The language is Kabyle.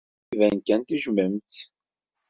Iban kan tejjmem-tt.